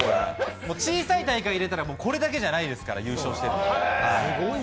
小さい大会を入れたらこれだけじゃないですから、優勝しているのは。